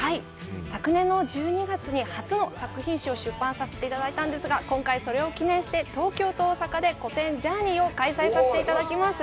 昨年の１２月に初の作品集を出版させていただいたんですが、今回、それを記念して東京と大阪で個展「ＪＯＵＲＮＥＹ」を開催させていただきます。